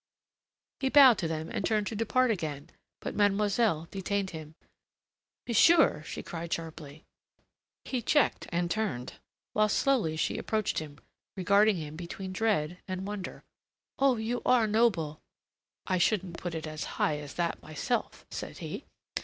He bowed to them, and turned to depart again, but mademoiselle detained him. "Monsieur!" she cried sharply. He checked and turned, whilst slowly she approached him, regarding him between dread and wonder. "Oh, you are noble!" "I shouldn't put it as high as that myself," said he.